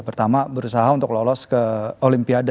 pertama berusaha untuk lolos ke olimpiade